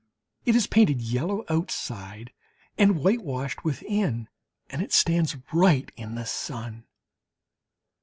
It is painted yellow outside and whitewashed within, and it stands right in the sun.